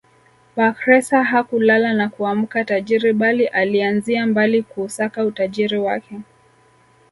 Bakhresa hakulala na kuamka tajiri bali alianzia mbali kuusaka utajiri wake